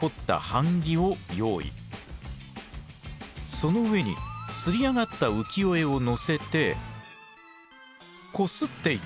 その上に刷り上がった浮世絵をのせてこすっていく。